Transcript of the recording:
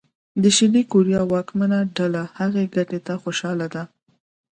د شلي کوریا واکمنه ډله هغې ګټې ته خوشاله ده.